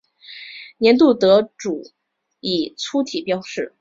年度得主以粗体标示。